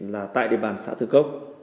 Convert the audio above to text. là tại địa bàn xã thư cốc